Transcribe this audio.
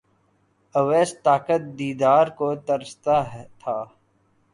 اویس طاقت دیدار کو ترستا تھا